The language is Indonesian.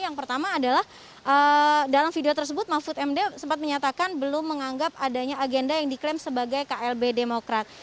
yang pertama adalah dalam video tersebut mahfud md sempat menyatakan belum menganggap adanya agenda yang diklaim sebagai klb demokrat